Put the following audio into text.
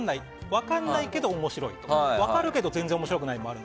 分からないけど面白い分かるけど全然面白くないのもある。